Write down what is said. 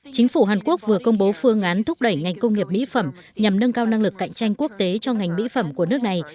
chính phủ hàn quốc vừa công bố phương án thúc đẩy ngành công nghiệp mỹ phẩm nhằm nâng cao năng lực cạnh tranh quốc tế cho ngành mỹ phẩm của nước này